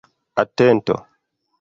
atento